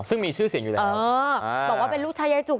เอ้อบอกว่าเป็นลูกชายยายจุก